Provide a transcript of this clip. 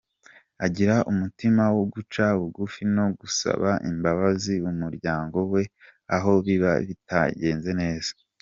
Agira umutima wo guca bugufi no gusaba imbabazi umuryango we aho biba bitagenze neza.